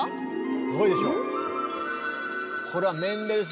すごいでしょう。